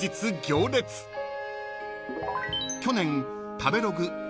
［去年］